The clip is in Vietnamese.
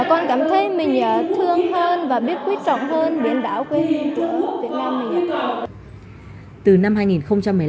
con cảm thấy mình thương hơn và biết quyết trọng hơn biển đảo quê hình chủ việt nam mình